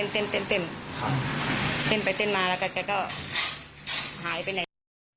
เต้นไปเต้นมาแล้วกันแล้วก็หายไปไหน